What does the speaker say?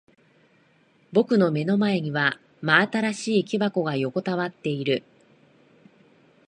僕の目の前には真新しい木箱が横たわっている。